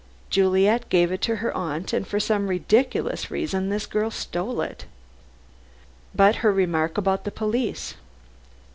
Juliet gave it to her aunt, and for some ridiculous reason this girl stole it." "But her remark about the police."